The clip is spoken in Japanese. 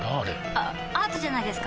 あアートじゃないですか？